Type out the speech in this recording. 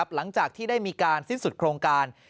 หลังจากที่ได้มีการสิ้นสุดโครงการ